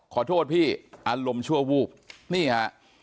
ขอโทษพี่อารมณ์ชั่ววูบนี่ฮะ